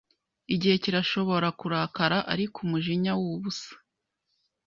Igihe kirashoboka kurakara ariko umujinya wubusa